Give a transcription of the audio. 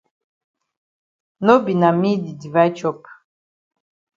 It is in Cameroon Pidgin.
No be na me di divide chop.